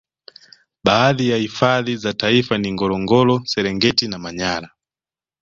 Baadhi ya hifadhi za taifa ni Ngorongoro Serengeti na Manyara